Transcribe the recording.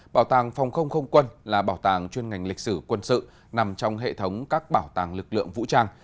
bảo tàng phòng không không quân là bảo tàng chuyên ngành lịch sử quân sự nằm trong hệ thống các bảo tàng lực lượng vũ trang